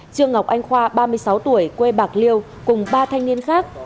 trương ngọc anh khoa ba mươi sáu tuổi quê bạc liêu cùng ba thanh niên khác